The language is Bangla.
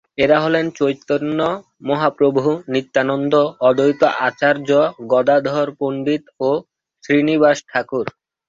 এরা হলেন চৈতন্য মহাপ্রভু, নিত্যানন্দ, অদ্বৈত আচার্য, গদাধর পণ্ডিত ও শ্রীনিবাস ঠাকুর।